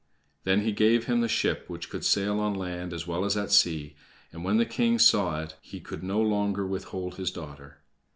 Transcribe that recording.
Then he gave him the ship which could sail on land as well as at sea, and when the king saw it he could no longer withhold his daughter.